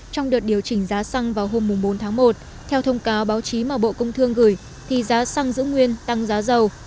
trong đợt điều chỉnh giá xăng vào hôm bốn tháng một theo thông cáo báo chí mà bộ công thương gửi thì giá xăng giữ nguyên tăng giá dầu